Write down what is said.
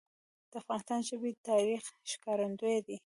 د افغانستان ژبي د تاریخ ښکارندوی دي.